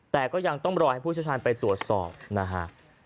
แต่ก็ยังต้องรอให้ผู้เชี่ยวชาญไปตรวจสอบนะฮะ